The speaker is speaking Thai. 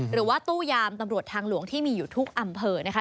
หรือว่าตู้ยามตำรวจทางหลวงที่มีอยู่ทุกอำเภอนะคะ